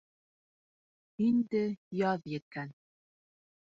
Инде яҙ еткән.